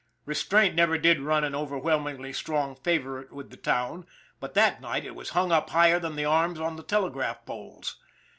Re straint never did run an overwhelmingly strong favor ite with the town, but that night it was hung up higher than the arms on the telegraph poles.